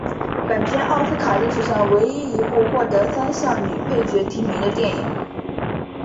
本片奥斯卡历史上唯一一部获得三项女配角提名的电影。